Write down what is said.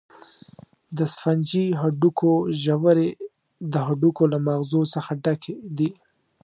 د سفنجي هډوکو ژورې د هډوکو له مغزو څخه ډکې دي.